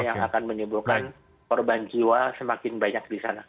yang akan menimbulkan korban jiwa semakin banyak di sana